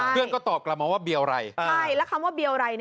เพื่อนก็ตอบกลมเอาว่าเบียวไร